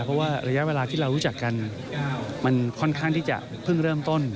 เพราะว่าระยะเวลาที่เรารู้จักกันมันค่อนข้างที่จะเพิ่งเริ่มต้น